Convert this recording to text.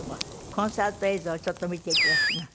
コンサート映像をちょっと見て頂きます。